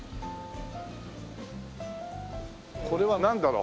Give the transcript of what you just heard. これはなんだろう？